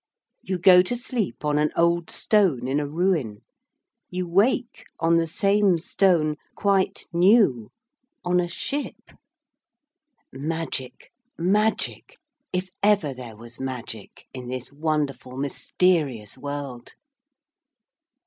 You go to sleep on an old stone in a ruin. You wake on the same stone, quite new, on a ship. Magic, magic, if ever there was magic in this wonderful, mysterious world!